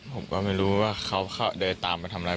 ผมก็ไม่รู้ว่าเขาเดินตามไปทำอะไร